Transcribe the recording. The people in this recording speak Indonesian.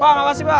pak makasih pak